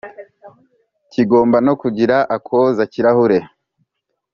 kigomba no kugira akoza-kirahure